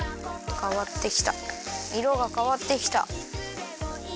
かわってきたいろがかわってきた。